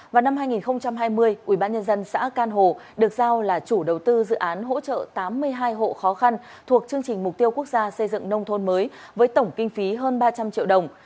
vào năm hai nghìn hai mươi ubnd xã can hồ được giao là chủ đầu tư dự án hỗ trợ tám mươi hai hộ khó khăn thuộc chương trình mục tiêu quốc gia xây dựng nông thôn mới với tổng kinh phí hơn ba trăm linh triệu đồng